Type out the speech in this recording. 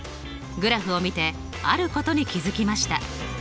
グラフを見てあることに気付きました。